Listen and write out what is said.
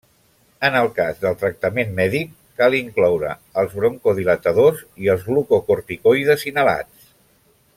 En el cas del tractament mèdic, cal incloure els broncodilatadors i els glucocorticoides inhalats.